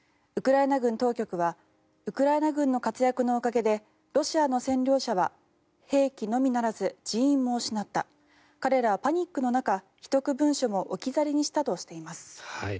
ウクライナ軍当局はウクライナ軍の活躍のおかげでロシアの占領者は兵器のみならず人員も失った彼らはパニックの中、秘匿文書も置き去りにしたとしています。